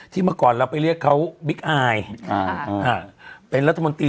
ที่มาก่อนเราไปเรียกเขาบิ๊กไอ